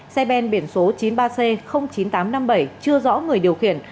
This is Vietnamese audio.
xe ben biển số chín mươi ba c chín nghìn tám trăm năm mươi bảy chưa rõ người điều khiển